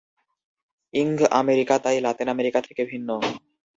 ইঙ্গ America তাই Latin America থেকে ভিন্ন।